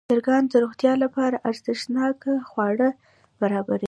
چرګان د روغتیا لپاره ارزښتناک خواړه برابروي.